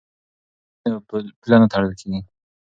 که ویزه وي نو پوله نه تړل کیږي.